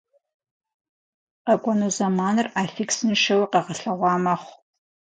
Къэкӏуэну зэманыр аффиксыншэуи къэгъэлъэгъуа мэхъу.